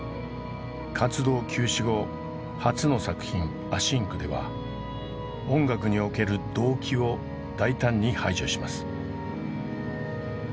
活動休止後初の作品「ａｓｙｎｃ」では音楽における「同期」を大胆に排除します。